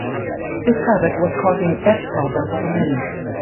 This habit was causing debt problems for many.